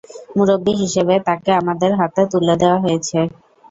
মুরব্বি হিসেবে তাঁকে আমাদের হাতে তুলে দেওয়া হয়েছে।